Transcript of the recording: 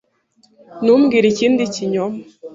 Ntumbwire ikindi kinyoma.